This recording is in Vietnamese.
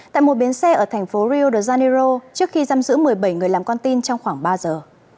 tại một biến xe ở thành phố rio de janeiro trước khi giam giữ một mươi bảy người làm con tin trong khoảng ba giờ